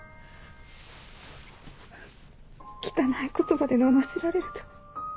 汚い言葉でののしられると。